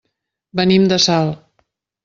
Venim de Salt.